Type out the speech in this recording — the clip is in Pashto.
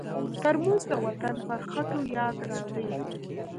ترموز د وطن پر خټو یاد راوړي.